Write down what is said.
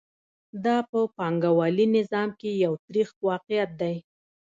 دا په پانګوالي نظام کې یو تریخ واقعیت دی